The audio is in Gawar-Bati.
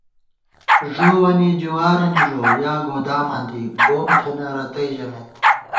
ݫووَنی جوارَنی ݫو یا گوداماں دی ، گوم تھنہ رتئ ژَمېت